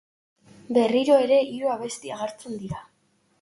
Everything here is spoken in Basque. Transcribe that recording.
Berriro ere hiru abesti agertzen dira.